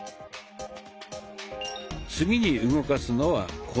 次に動かすのはこの２本。